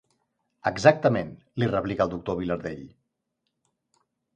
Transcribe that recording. Exactament —li replica el doctor Vilardell.